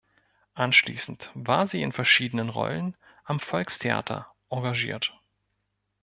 Anschließend war sie in verschiedenen Rollen am Volkstheater engagiert.